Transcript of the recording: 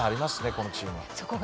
このチームは。